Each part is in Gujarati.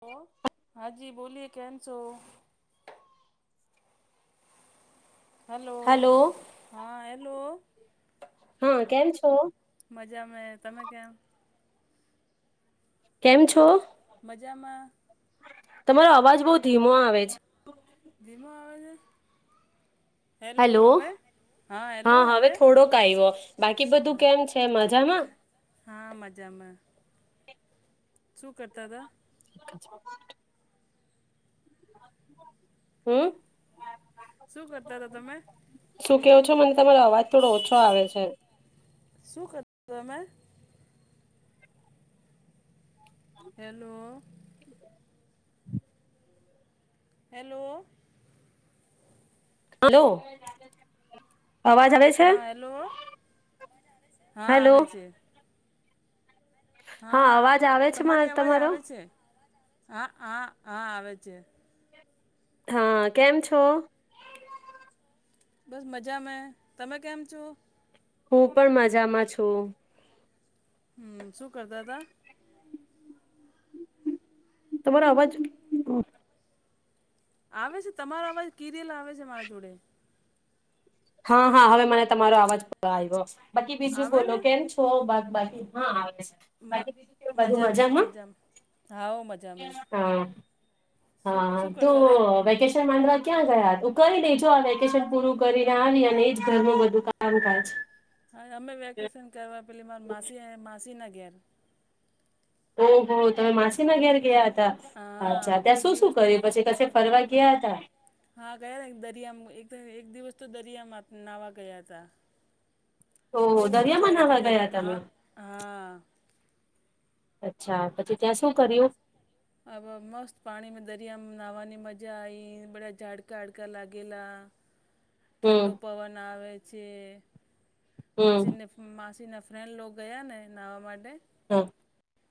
હ હા જી બોલીએ કેમ છો? હલ્લો. હાલો. હા હેલો. હા કેમ છો? મજામાં. તમે કેમ કેમ છો મજામાં તમારો અવાજ બઉ ધીમો આવે છે ધીમો આવે છે હેલો હા હવે થોડોક આવ્યો બાકી બધું કેમ છે મજામાં હા મજામાં, શું કરતા હતા? [inaudible] હમ. શું કરતા હતા તમે શું કેવો છો મને તમારો અવાજ થોડો ઓછો આવે છે? શું કર હતો અમે? હેલો. હેલો. હલો. આવાજ આવેે છે? હા હેલો હા હેલો. આવે છે હા અવાજ આવે છે મારે તમારી અવાજ તમારો આવે છે, હા હા હા આવે છે. હા કેમ છો? બસ મજા મે, તમે કેમ છો? હું પણ મજામાં છું. હમ શું કરતા તા? તમારો અવાજ આવે છે તમારો અવાજ કિ રેલ આવે છે મારા જોડે. હા હા હવે મને તમારો અવાજ આવ્યો. બાકી બીજું આવે બોલો ને કેમ છો બાકી હા આવે છે, મ બાકી બી કે બધું મજામાં? હા હો મજા મે. હા શું હા શું તો કરતા હતા વેકેશન માંડવા ક્યાં ગયા? તું કરી દેજો આ વેકેશન પૂરું કરી. ત આવી અને એજ ઘર ન બધું કામ કજ. હા અમે વેકેશન કરવા પેલી મારે માસી માસી ના ઘેર. ઓહહ તમે માછીના ઘેર ગયા હતા, હા અચ્છા ત્યાં કઈ શું શું કર દિવસથી પછી ક ફરવા ગયા હતા? હા ગયા દરિયામાં એક એક દિવસ તો દરિયામાં નાહવા ગયા હતા. બહુ ઓહો મજા દરિયામાં આઈતી નાહવા દરે ગયા હ તમે હા. અચ્છા પછી ત્યાં શું કર્યું? અબ મસ્ત પાણી મે દરિયા નહવાની મજા આઇ બડા ઝાડકા વાડકા લાગેલા. હમ ઠંડો પવન આવેે છે. હમ માસીને માસી ના ફ્રેન્ડ લોકો ગયા ને નાહવા માટે. હ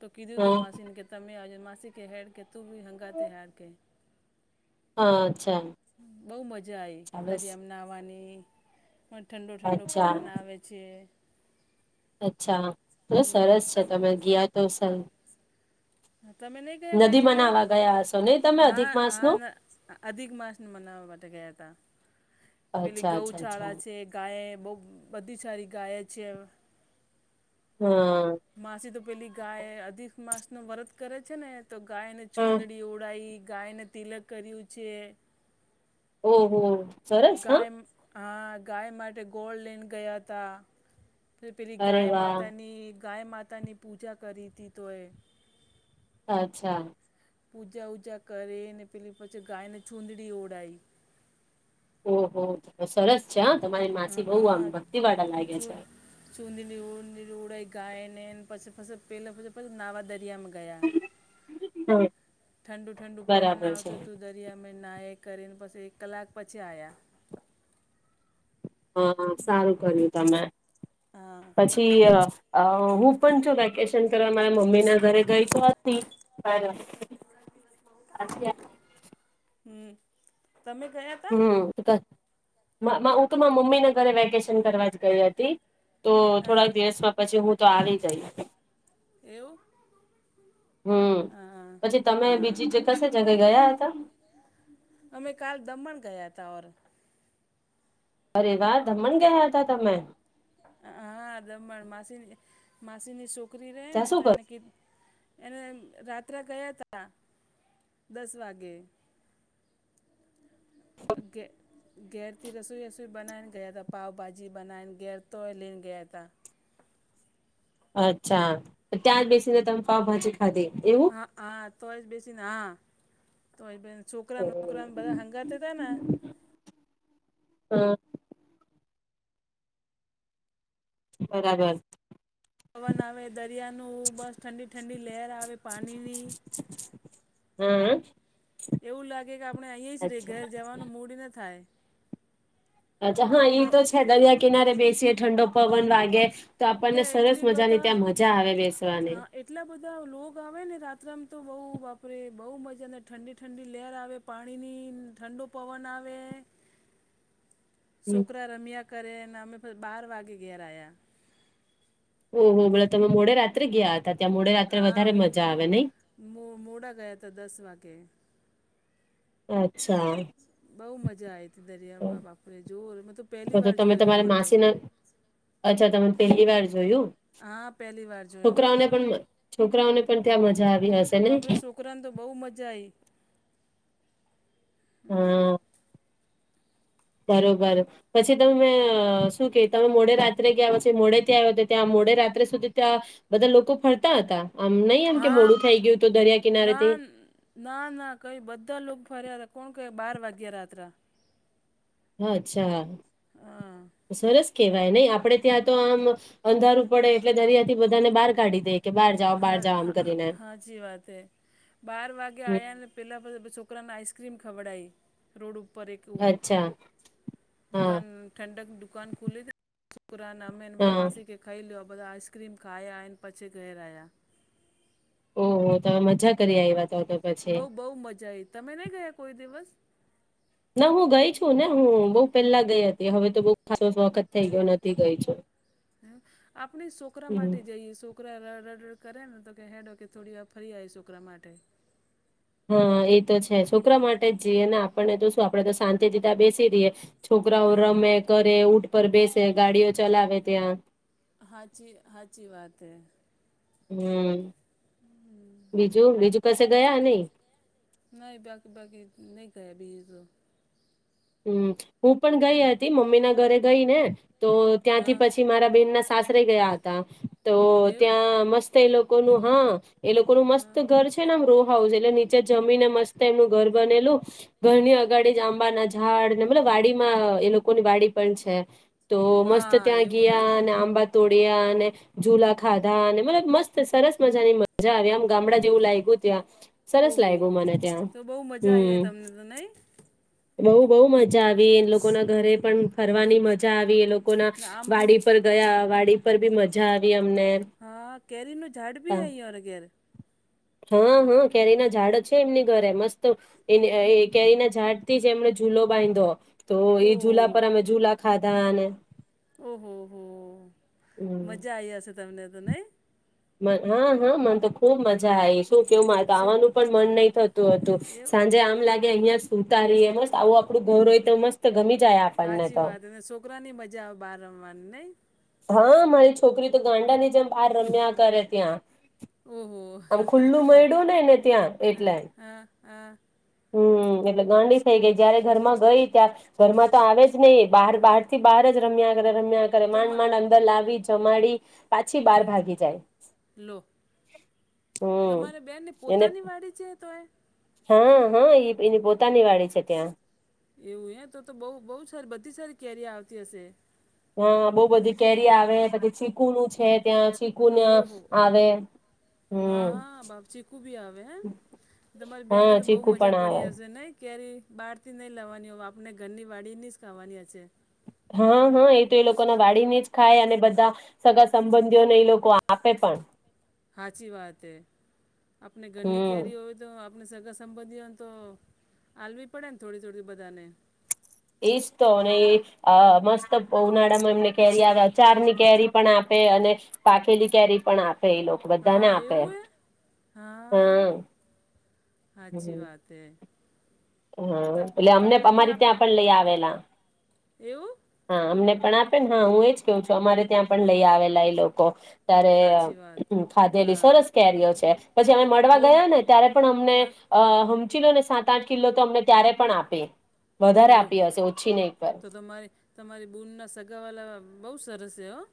તો હ કીધું તું માસીન કે તમેજ માસીક હેડ કે તું બી હંગા તયાર ક. અચ્છા બઉુ મજા આઈ સરસ દરિયામાં. બનાવાની, પણ ઠંડો ઠંડો અચ્છા પવન આવે છે. અચ્છા, તો હમ સરસ છે તમ તમે ગયા તો સહી. હા તમે નહી કહયા કઈ જગ્યા? ગયા હશો નહી તમે અધિક હા માસનું હ અધિક માસને મનાવવા માટે ગયા તા. પેલી અચ્છા અચ્છા અચ્છા ગૌચાળા છે ગાય બહ બધી સારી ગાય છે. હમ. માસી તો પેલી ગાય અધિક માસ ન વરત કરે છે ને. તો ગાયને હા છૂદડી ઓડાઈ ગાયને તિલક કર્યું છે. ઓહ. ગાય હા ગાય માટે ગોળ લઈન ગયા હતા. પેલી અરે ગાય વાહ! માતાની ગાય માતાની પૂજા કરી હતી તો એ. અચ્છા. પૂજા ઉજા કરીે ને પેલી પછી ગાયને ચુદડી ઓડાય. ઓહ સરસ છે હ તમારી માસી બહુ આમ ભક્તિ વાળા લાગે છે. ચુંંદીની ઉ ઉડાઈ ગાય ને પછી પછી પેલા પછી પછી નાવા દરિયા માં ગ. હમ્મ, ઠંડુ ઠંડુ પવન બરાબર છે. આવતું હતું. દરીયા મે ના એ કરીને પછી એક કલાક પછી આવ્યા હા હા સારું કર્યું તમે હા પછી તે અ હું પણ છું વેકેશન કરવા મારા મમ્મી ના ઘરે ગઈ તો હતી. હરા. [inaudible] હમ તમે ગયા. તા? હમ હું તો મમ્મી ઘરે વેકે કરવા ગઈ હતી તો હા થોડા દિવસમાં પછી હું તો આવી જઈ હતી. એવું. હમ હા પછી તમે હા બીજી કશે જગ્યા ગયા હતા. અમે કાલ દમણ ગયા હતા ઓર. અરે વા દમણ ગયા હતા તમે. હા દમણ માસીની માસીની છોકરી રહે ને ત્યાં શું તો કર એને ક. એને રાત્રે ગયા તા દસ વાગે [inaudible] ઘે ઘેરથી રસોઈ વસોઈ બનાન ગયા ત પાવભાજી બનાઈ ઘેર. તોય લીન ગયાતા. અચ્છા ત્યાં જ બેસીને તમે પાાવભાજી હમ ખાધી એવું. હા હા તોય જ બેસીને હા તોય બે છોકરાને છોકરાને બધા હંગા હતા ને. હા. બરાબર. પવન આવે દરિયા નુ બસ ઠંડી ઠંડી લહેર આવે પાણી ની હમ. એવું લાગે કે આપણે અહીં જ રે ઘેર જવાનું મૂડ ન થાય અચ્છા હા બ ઈ તો છે દરિયા કિનારે બેસીએ ઠંડો પવન વાગે તો ને આપણને સરસ એટલી મજા બધા ત્યાં મજા આવે બેસવાની. હા એટલા બધા લોગ આવે ને રાત્રમાં તો બહુ વાપરે બહુ મજાને ઠંડી ઠંડી લેર આવે. પાણીની ઠંડો પવન આવે. હમ છોકરા રમ્યા કરે અને અમે બાર વાગે ઘેર આવ્યા ઓહ બલો તમે મોડે રાત્રે ગયા હતા ત્યાં મોડે રાત્રે વધારે મજા આવે નઈ મુ મોડા ગયા તા દસ વાગે. અચ્છા. બહુ મજા આઈ હતી દરિયા બા બાપરે જોવ મ તો પહેલી વાર તમે જોયો તમારા દમણ તો. માસીના અચ્છા તમે પેલી વાર જોયું હા પહેલી વાર જોયો છોકરાઓને પણ છોકરાઓને પણ ત્યાં મજા આવી હશે. ને બાપરે છોકરાને તો બહુ મજા આવી. હમ. બરોબર. પછી તમે શું કે તમે મોડે રાત્રે ગયા પછી મોડે ત્યાં આવ્યા ત્યાં મોડે રાત્રે સુધી ત્યાં. બધા લોકો ફરતા હતા આમ નહી આમ કે હા મોડું થઈ ગયું હતું દરિયા કિનારેથી. ના ના ના કઈ બધા લોકો ફર્યા હતા કોણ ક બાર વાગ્યા રાત્રે અચ્છા. હા. સરસ કેવાય નહી આપડે ત્યાં તો આમ, અંધારું પડે એટલે દરિયા થી બધાને બહાર કાઢી દે. કે બહાર જાઓ બહાર જાઓ આમ કરી. ને. સાચી વાત હ, બાર વાગે હમ આવ્યા ને પહેલાંછ છોકરાને આઈસ્ક્રીમ ખવડઈ. રોડ ઉપર એક, અચ્છા હા દુકાન ઠંડક દુકાન ખુલ્લે. શુકરાાન અમેન બ્ર હા માસી કે ખાઈ લ્યો બધા આઈસક્રીમ ખાયા એ પછી ઘેરરાયાં. [unintelligible] ઓ તમે મજા કરી આવ્યા તો તો પછી. બઉ બહુ મજા એ તમે નહીં ગયા કોઈ દિવસ? ના હું ગઈ છું ને હું બઉુ પેલા ગઈ હતી હવે તો બહ ખ વખત થઈ ગયો નથી ગઈ છું. આપણે છોકરા હમ માટે જઈએ છોક છોકરા રડડ કરે ને તો હેડો કે થોડી વાર ફરી આવી છોકરા માટે. હા એ તો છે છોકરા માટે જઈએ ને આપણને જોશું આપડે તો શાંતિ દિતા બેસી રઈએ. છોકરાઓ હા રમે કરે ઉઊટ પર બેસે ગાડીઓ ચલાવે ત્યાં. હાચી હાચી વાત હૈ. હમ, બીજું બીજું કસે ગયા નઈ? નહી બાકી બાકી નહી ગયા ભી તો. હમ હું પણ ગઈ હતી મમ્મી ના ઘરે ગઈ ને તો ત્યાંથી હા પછી મારા બેહેન ના સાસરે ગયા હતા, તો એવું ત્યાં મસ્ત એ લોકોનું હા. એ લોકોનું મસ્ત હા ઘર છે. મ રો હાઉસ એટલે નીચે જમી ને મસ્ત એમનું ઘર બનેલું, ઘરની અગાડી જ આંબા ના ઝાડ ને મતલબ વાડીમાં એ લોકોની વાડી પણ છે. તો મસ્ત હા ત્યાં એવું હે ગયા અને આંબા તોડિયા અને, ઝૂલા ખાધા અને મતલબ મસ્ત સરસ મજાની મજા આવી આમ. ગામડા જેવું લાગ્યું ત્યાં, સરસ ઓહો લાગ્યું મને ત્યાં હમ. હને. બઉ બહુ મજા આવી એ લોકો ના ઘરે પણ ફરવાની મજા આવી એ લોકો ના, ને આમ વાડી પર. ગયા વાડી પર બી મજા આવી અમને. હા કેરી ન ઝાડ ભી આઈ હો ઘેર. હા હા કેરી ના ઝાડ જ છે એમની ઘરે મસ્ત, એ કેરી ના ઝાડ થી એમણે ઝૂલો બાંધો, તો એ ઓહો ઝૂલા પર અમે ઝૂલા ખાધાને. ઓહોહ મજા આવી હશે તમને તો નહી. હા હા મને તો ખુબ મજા આવીશ. કેવું શોક આવાનું પણ મન નહી થતું હતું, એવું સાંજે આમ લાગે અહિયાં ઉતારીએ મ આવું આપડું ઘઉર હોય તો મસ્ત ગમી જાય. આપણને સાચી તો વાત અને છોકરા ની મજા આવે બાર રમવાની ન. હા મારી છોકરી તો ગાંડા ની જેમ બાર રમ્યા કરે ત્યાં. ઓહો આમ ખુલ્લું મળડ્યું નહ ને ત્યાં એટલે. હા હા હમ એટલે ગાંડી થઇ ગઈ જયારે ઘર માં ગઈ ત્યારે ઘરમાં તો આવે જ નહીિ બહાર બહાર થી બહાર જ રમ્યા કર રમ્યા કરે તો માંડ તમા માંડ અંદર લાવી જમાડી, પાછી બાર ભાગી જાય. લો હમ તમારે બેનને એને પોતાની વાડી છે તોય? હા હા એ એની પોતાની વાળી છે ત્યાં. એવું એ તો તો બહુ બહુ સારી બધી સારી કેરી આવતી હશે. હા, બહુ બધી કેરી આવે પછી ચીકુ નું છે ત્યાં ચીકુના ઓહો આવે હમ હા, બાપચીકુ બી આવે હમ તમારી બેહેનને હા તો બહુ ચીકુ પણ મજા આવે પડી હશે નહી? ક્યારે બહારથી નહીં લેવાની હોય આપને ઘરની વાડીની જ ખાવાની હશે. હા હા એ તો એ લોકોના વાડીને જ ખાય અને બધા સગા સંબંધીઓને એ લોકો આપે પણ. હાચી વાત હે. આપને ઘરની હમ કરી હોવે તો આપ આપને સગા સંબંધીઓને તો હવી પડે ને થોડી થોડી બધાને. એ જ તો અને એ અહ મસ્ત ઉનાળામાં એમને કેરી આવે અચાર ની કેરી પણ આપે અને પાખેલી કેરી પણ આપે એ લોકો બધા ને હા આપે. એવું હે હા, હાચી વાત હે. ત હા, એટલે અમને તમને બી અમારી ત્યાં આપી પણ લઈ આવેલા. એવું? હા, અમને પણ આપે ને હા હું એજ કેવું છું. અમારે ત્યાં પણ લઈ આવેલા એ લોકો ત્યારે સાચી વાત ખાધેલી, હા સરસ કેરીઓ છે પછી અમે મળવા બહુ ગયા ને ત્યારે પણ અમને હા અહ હમ્મ, સમજી લોને સાત-આઠ કિલો તો અમને ત્યારે પણ આપે. વધારે આપી હશે ઓછી નહી પણ. તમારે તમારી દૂરના સગાવાલા બહુ સરસ છે, હા.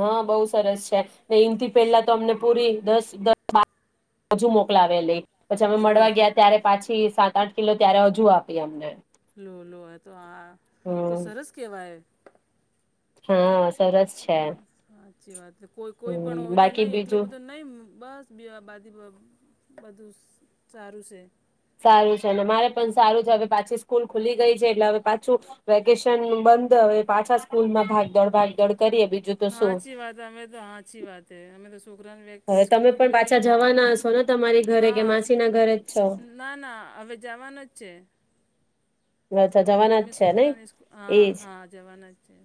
હા, બહુ સરસ છે ને ને એનથી પેલા તો અમને પૂરી દસ દ બાર હજુ મોકલાવે લઈ પછી અમે લો મળવા ગયા ત્યારે પાછી સાત-આઠ કિલો ત્યારે હજુ આપી અમને. લો, લો હતો હા તો હમ સરસ કેવાય. હા, સરસ. છે હમ્મ, હાચી વાત કોઈ પણ હમ હોય તો બાકી નહી એટલો બીજું બધો નહી બસ બિયાં બાદી બધું સારું છે. સારું છે અને મારે પણ સારું છે, હવે પાછી સ્કૂલ ખુલી ગઈ છે એટલે હવે પાછું વેકેશન બંધ હવે પાછા સ્કૂલમાં ભાગ દોડ-ભાગ ભાગ-દોડ કરીએ, બીજું તો હા, શું હાચી વાત અમે તો હાચી વાત અમે તો છોકરા ને કે હવે તમે પણ સ્કૂલ ગઈ પાછા તો જવાના હશો ને તમારી ઘરે હા કે આમ માસીના ઘરે જ છો ના ના હવે જવાનાજ છે. અચ્છા જવાના જ અમે છે નહી છોકરાને સ્કૂ- હા એજ હા જવાના જ છે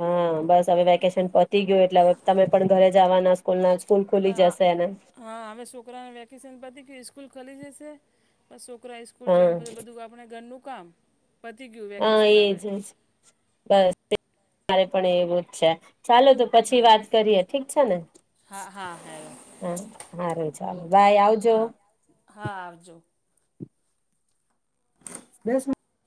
હા, બસ હવે વેકેશન પતી ગયું એટલે હવે તમે પણ ઘરે જવાના. કૂલના સ્કૂલ ખુલી ના હા જશે અને હા, હવે છોકરાને વેકેશન પતી ગયું કે સ્કૂલ ખાલી જશે બસ છોકરા સ્કૂલ હા જોઈને પછી બધું આપણે ઘરનું કામ પતી ગયું હા વેકેશન હવે. એજ એજ બસ મારે પણ એવું જ છે. ચાલો તો પછી હા વાત કરીએ ઠીક છે ને? હા હા હા હા, હારું ચાલો, બાય આવજો. હા હા, આવજો. દસ